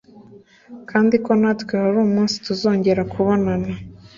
kandi ko natwe hari umunsi tuzongera kubabona